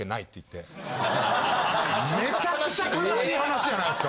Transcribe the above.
めちゃくちゃ悲しい話じゃないですか。